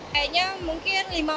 kayaknya mungkin lima puluh